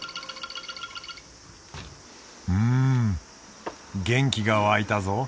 うん元気が湧いたぞ。